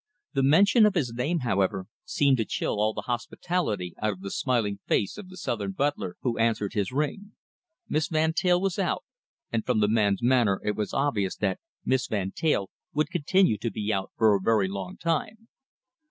The mention of his name, however, seemed to chill all the hospitality out of the smiling face of the southern butler who answered his ring. Miss Van Teyl was out, and from the man's manner it was obvious that Miss Van Teyl would continue to be out for a very long time.